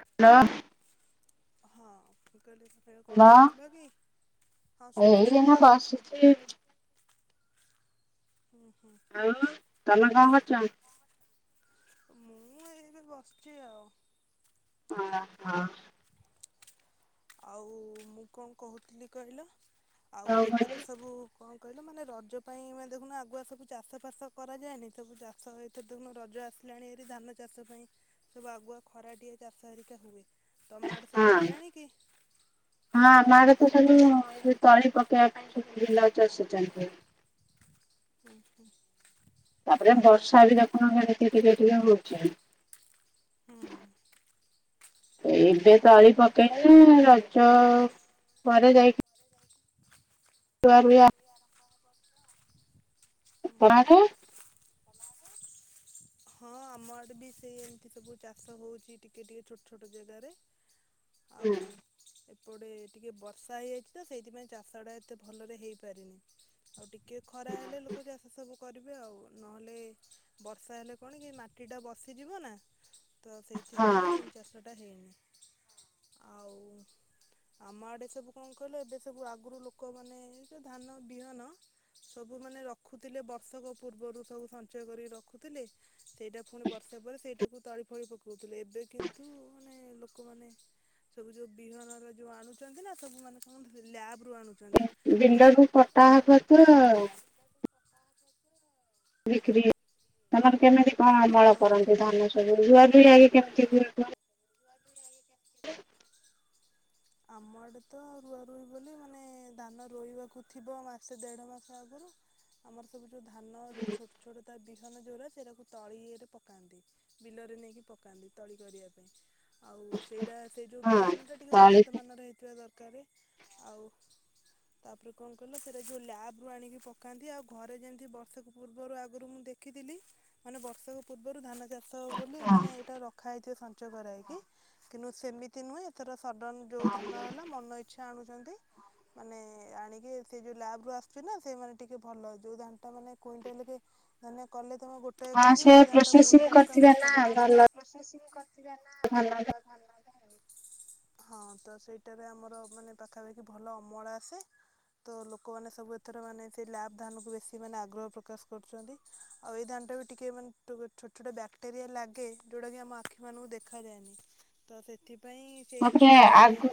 Hello ହଁ କହିଲି ତମେ କଣ ହଁ କରୁଥିଲ କି? ହଁ ଶୁଭିଲା ଏଇ ନେ ବସିଛି। ଆଉ ତମେ କଣ କରୁଛ ମୁଁ ଏଇନେ ବସିଛି ଆଉ ହଁ ହଁ ଆଉ ମୁଁ କଣ କହୁଥିଲି କହିଲ ଆଉ ହଁ ଏବେ ତ ସବୁ କଣ କହିଲେ ମାନେ ରଜ ପାଇଁ ମାନେ ଦେଖୁନ ଆଗୁଆ ସବୁ ଚାଷ ଫାସ କରାଯାଏନି ସବୁ ଚାଷ ଏତ ଦେଖୁ ରଜ ଆସିଲାଣି ଏରି ଧାନ ଚାଷ ପାଇଁ ସବୁ ଆଗୁଆ ତମ ଆଡେ ସବୁ ହେଲାଣି କି? ହଁ ମା କ ତ ସବୁ ତଳି ପକେଇବା ପାଇଁ ସବୁ ବିଲକୁ ଚଷୁଛନ୍ତି। [inaudible] ତାପରେ ଆମ ବର୍ଷା ଦିନ କିରା କରୁଛ ହୁଁ ହୁଁ ଏବେ ତଳି ପକେଇନ ରଜ ପରେ ଯାଇକି ଆ [unintelligible] [inaudible] ହଁ ଆମ ଆଡେ ବି ସେଇ ସବୁ ଚାଷ ହଉଛି ଟିକେ ଟିକେ ଛୋଟ ଛୋଟ ଜାଗାରେ ଆଉ ଏପଟେ ଟିକେ ବର୍ଷା ହେଇଯାଇଛି ତ ସେଇଥିପାଇଁ ଚାଷଟା ଏତେ ଭଲରେ ହେଇପାରିନି ଆଉ ଟିକେ। କି ଖରା ହେଲେ ଲୋକ ଚାଷ ସବୁ କରିବେ ଆଉ ନହେଲେ ବର୍ଷା ହେଲେ କଣ କି ମାଟିଟା ବସିଯିବ ନା ତ ହଁ ସେଇଥିପାଇଁ ଚାଷଟା ହୋଇନି ଆଉ ଆମ ଆଡେ ସବୁ କଣ କହିଲ ଏବେ ସବୁ ଆଗରୁ ଲୋକମାନେ ଧାନ ବିହନ ସବୁ ମାନେ ରଖୁଥିଲେ ବର୍ଷକ ପୂର୍ବରୁ ସବୁ ସଞ୍ଚୟ କରିକି ରଖୁଥିଲେ। ସେଇଟା ପୁଣି ବର୍ଷା ପରେ ସେଇଟାକୁ ତଳି ଫଳି ପ କହୁଥିଲେ ଏବେ କିନ୍ତୁ ମାନେ ଲୋକମାନେ ସବୁ ଯୋଉ ବିହନରେ ଯୋଉ ଆଣୁଛନ୍ତି ନା ସବୁ ମାନେ କଣ ଲ ବିଲକୁ କଟା ହବ ତ ଆଉ ବିକ୍ରି ତମର କେମି ହଁ ଅମଳ ହଁ କରନ୍ତି ଧାନ ସବୁୁ [inaudible] ଆମରେ ତ ରୁଆ ରୁହି ବୋଲି ମାନେ ଧାନ ରୋଇବାକୁ ଥିବ ମାସେ ଦେଢ଼ ମାସ ଆଗରୁ ଆମର ସବୁ ଯୋଉ ଧାନ ଯୋଉ ଛୋଟ ଛୋଟ ତା ବିହନ ଯୋଉରାା ସେଟାକୁ ତଳିରେ ପକାନ୍ତି ବିଲରେ ନେଇକି ପକାନ୍ତି ତଳି କରିବା ପାଇଁ ଆଉ ସେଇଟା ସେଇ ଯୋଉ ହଁ ବିହାନ ଟା ଟିକେ ତଳି ଉନ୍ନତି ଦର ଆଉ ତାପରେ କଣ କ ସେଟାଉଁ ଲବୁ ଆଣି ପକାନ୍ତି ଆଉ ଘରେ ଯେମ ବର୍ଷ ପୂବରୁ ଆଗରୁ ମୁଁ ଦେଖିଥିଲି ମାନେ ବର୍ଷକ ପୂର୍ବରୁ ଧାନ ଚାଷ ବୋଲି ହଁ ମାନେ ଏଟା ରାଥିବ ସଞ୍ଚ କରକି କିନ୍ତୁ ସେମି ନୁହଁର ଯୋଉ ଧନ ହେଲା ମନଇ ଛା ଆଣୁଛନ୍ତି ମାନେ ଆଣିକି ସେ ଯୋଉ ଲାବ୍ ରୁ ଆସୁଛି ନା ସେମାନେ ଟିକେ ଭଲ ଯୋଉ ଧାନ ଟା ମାନେ କୁଇଂଟାଲ। ମାନେ କଲେ ତମ ଗୋଟେ ହଁ ଏକର ଯିବ ସେ ସେଇ ଧାନ ଟା ପ୍ରୋସେସିଂ କୁଇଣ୍ଟାଲ ତମ କରିଥିବେ ନା ପାଖାପାଖି ଭଲ ଟା ନା ଧାନ ଭଲ ଧାନ ବି ହେଉଛି। ହଁ। ତ ସେଇଟାରେ ଆମର ମାନେ ପାଖାପାଖି ଭଲ ଅମଳ ଆସେ ତ ଲୋକମାନେ ସବୁ ଏଥର ମାନେ ସେ ଲାଭ୍ ଧାନକୁ ବେଶୀ ମାନେ ଆଗ୍ରହ ପ୍ରକାଶ କରୁଛନ୍ତି ଆଉ ଏଇ ଧାନଟା ବି ଟିକେ ମାନେ ଛୋଟ ଛୋଟ ବ୍ୟାକ୍ଟେରିଆ ଲାଗେ ଯେଉଁଟାକି ଆମ ଆଖିମାନଙ୍କୁ ଦେଖାଯାଏନି ତ ସେଥିପା ପାଇଁ ସେଇ ଉଁ ଆ କୁ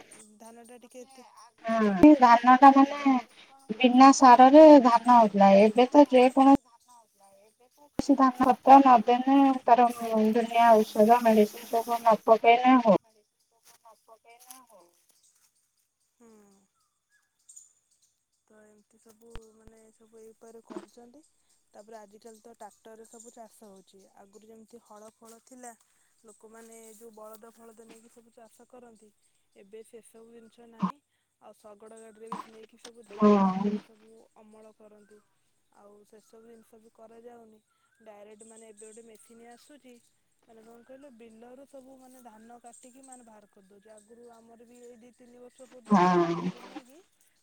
ସେ ଧାନ ଟା ମାନେ ବିନା ସାରରେ ଧାନ ହେଉଥିଲା ଏବେ ତ ଯେକୌଣସି ନା ଏବେ ଯେକୌଣସି ଖତ ଧାନ ରେ ନଦେଲେ ତାର ସାର ଦୁନିଆ ଔଷଧ ମେଡିସିନ ସବୁ ନ ପକେଇଲେ ହଉ [unintelligible] [unintelligible] ଏହା ହଉ ହୁଁ ତ ଏମିତି ସବୁ ମାନେ ସବୁ ଏଇ ଉପାୟରେ କରୁଛନ୍ତି ତାପରେ ଆଜିକାଲି ତ ଟ୍ରାକ୍ଟରରେ ସବୁ ଚାଷ ହଉଛି ଆଗରୁ ଯେମିତି ହଳ ଫଳ ଥିଲା ଲୋକମାନେ ଯୋଉ ବଳଦ ଫଳଦ ନେଇକି ସବୁ ଚାଷ କରନ୍ତି। ଏବେ ସେସବୁ ଜିନିଷ ନାହିଁ ଆଉ ଶଗଡ ଗାଡିରେ ବି ନେଇ କି ସବୁ ହଁ ଧାନ ମାନେ ସବୁ ଅମଳ କରନ୍ତି ଆଉ ସେସବୁ ଜିନିଷ ବି କରାଯାଉନି ଡାଇରେକ୍ଟ ମାନେ ଏବେ ଗୋଟେ ମେସିନ୍ ଆସୁଛି ମାନେ କଣ କହିଲ ବିଲରୁ ସବୁ ମାନେ ଧାନ କାଟିକି ମାନେ ବାହାର କରିଦଉଛି। ଆଗରୁ ଆମର ବି ଏଇ ତିନି ବର୍ଷ ପୂର୍ବରୁ ହଁ ଟ୍ରାକ୍ଟରରେ ନେଇକି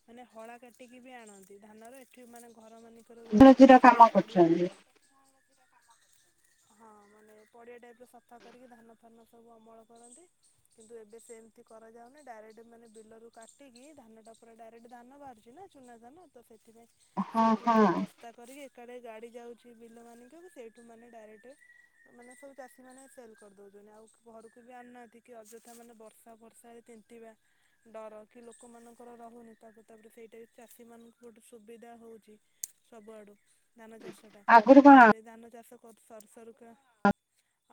ମାନେ ହଳା କାଟିକି ବି ଆଣନ୍ତି ଧାନର ଏଠି ମାନେ ଘରେ [unintelligible] ମାନଙ୍କରେ ଗୋଟେ ଗୋଟେ ଛୋଟ ଇଂରାଜୀର ଛୋଟ କାମ ପଡିଆ କରୁଛନ୍ତି ହଁ ମାନେ ପଡିଆ ଟାଇପ ର ସଫା କରିକି ଧାନ ଫାନ ସବୁ ଅମଳ କରନ୍ତି କିନ୍ତୁ ଏ ଏବେ ସେମିତି କରାଯାଉନି ଡାଇରେକ୍ଟ ମାନେ ବିଲରୁ କାଟିକି ଧାନଟା ପରେ ଡାଇରେକ୍ଟ ଧାନ ବାହାରୁଛିି ନା ଚୁନା ଧାନ ତ ସେ ସେଥିପାଇଁ ହଁ ସେଇଠି ହଁ ମାନେ ବସ୍ତା କରିକି [unintelligible] ଗାଡି ଯାଉଛି ବିଲ ମାନିକୁ ସେଇଠୁ ମାନେ ଡାଇରେକ୍ଟ ମାନେ ସବୁ ଚାଷୀ ମାନେ ସେଲ କରିଦଉଛନ୍ତି ଆଉ ଘରକୁ ବି ଆଣୁନାହାନ୍ତି କି ଅଯଥା ମାନ ବ ବର୍ଷା ବର୍ଷାରେ ତିନ୍ତିବା ଡର କି ଲୋକମାନଙ୍କର ରହୁନି ତାକୁ ତାପରେ ସେଇଟା ଚାଷୀମାନଙ୍କୁ ଗୋଟେ ସୁବିଧା ହଉଛି ସବୁଆଡ଼ୁ ଧାନ ଚାଷଟା ଆଗରୁ କଣ ତାପରେ ଧାନ ଚାଷ ବହୁତ ସରୁ ସରୁକା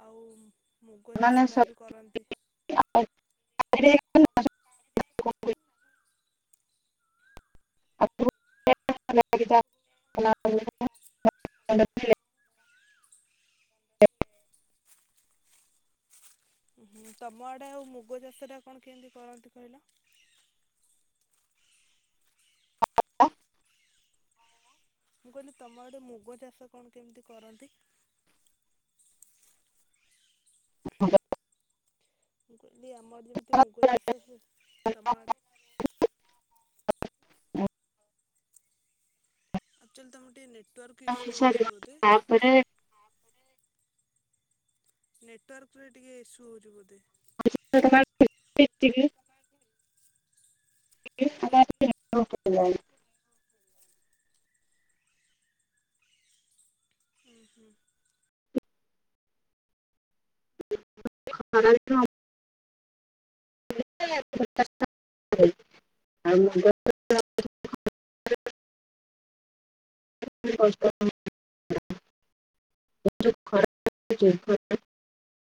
ଆଉ ମୁଗ ମାନେ ଚାଷଟା ବି କରନ୍ତି [inaudible] [inaudible] ହୁଁ ତମ ଆଡେ ଆଉ ମୁଗ ଚାଷଟା କଣ କେମିତି କରନ୍ତି କହିଲା? [inaudible] ମୁଁ କହିଲି ତମ ଆଡେ ମୁଗ ଚାଷ କଣ କେମିତି କରନ୍ତି? [inaudible] ମୁଁ କହିଲି ଆମ ଆଡେ ଯେମିତି ମୁଗ ଚାଷ ହୁଏ ତମ ଆଡେ ଆକ୍ଚୁଆଲି ତମର ଟିକେ ନେଟ୍ ନେଟୱାର୍କ ଇସୁ ହଉଛି ବୋଧେ ତାପରେ ଟିକେ ନେଟୱାର୍କରେ ଟିକେ ଇସଙ ହୋଉଚି ବୋଧେ। [inaudible] [inaudible] ହୁଁ ହୁଁ। [inaudible] ଖରା ଦିନ [inaudible] [inaudible]